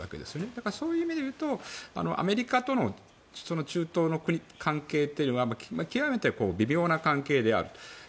だから、そういう意味でいうとアメリカの中東の関係というのは極めて微妙な関係である。